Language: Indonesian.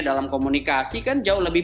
dalam komunikasi kan jauh lebih